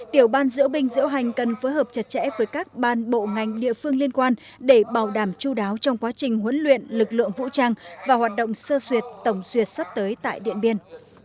tiểu ban diễu bình diễu hành cần phối hợp chặt chẽ với các ban bộ ngành địa phương liên quan để bảo đảm chú đáo trong quá trình huấn luyện lực lượng vũ trang và hoạt động sơ suyệt tổng suyệt sắp tới tại điện biên